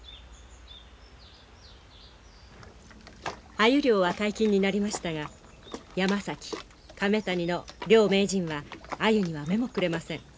アユ漁は解禁になりましたが山崎亀谷の両名人はアユには目もくれません。